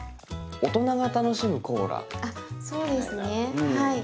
大人が楽しむコーラみたいな。